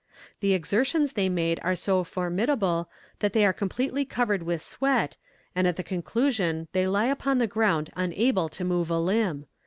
The exertions they made are so formidable that they are completely covered with sweat, and at the conclusion they lie upon the ground unable to move a limb.